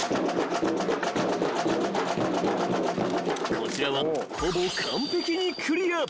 ［こちらはほぼ完璧にクリア］